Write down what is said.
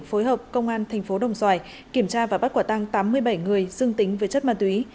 phối hợp công an tp hcm kiểm tra và bắt quả tăng tám mươi bảy người dương tính về chất ma túy